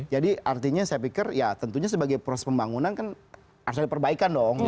jadi artinya saya pikir ya tentunya sebagai proses pembangunan kan harusnya diperbaikan dong